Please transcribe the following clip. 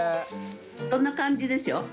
そんな感じでしょ？